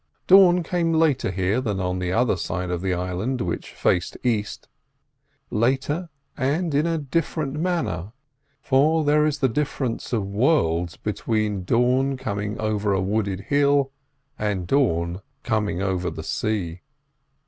Dawn came later here than on the other side of the island which faced east—later, and in a different manner—for there is the difference of worlds between dawn coming over a wooded hill, and dawn coming over the sea.